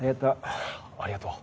ありがとう。